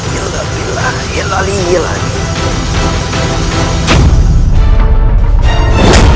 ya allah ya allah ya allah